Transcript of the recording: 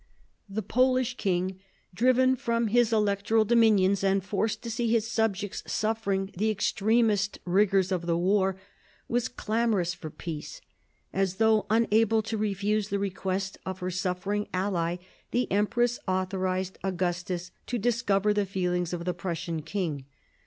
The Polish king, driven from his electoral dominions and forced to see his subjects suffering the extremest rigours of the war, was clamorous for peace. As though unable to refuse the request of her suffering ally, the empress authorised Augustus to dis cover the feelings of the Prussian king.